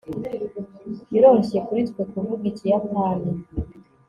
biroroshye kuri twe kuvuga ikiyapani